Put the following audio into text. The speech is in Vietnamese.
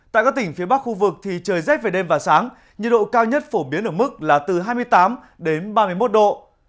tại các tỉnh phía bắc khu vực thì trời rét về đêm và sáng nhiệt độ cao nhất phổ biến ở mức là từ hai mươi tám đến ba mươi một độ